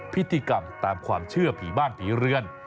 พิธีกรรมตามความเชื่อผีบ้านผีเรือน